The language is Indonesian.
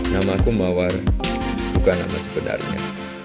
nama aku mawar bukan nama sebenarnya